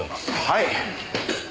はい。